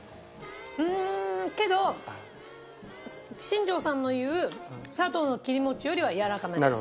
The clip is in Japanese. うーんけど新庄さんの言うサトウの切り餅よりはやわらかめです。